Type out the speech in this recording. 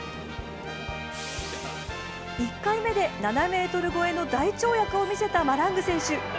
１回目で７ｍ超えの大跳躍を見せたマラング選手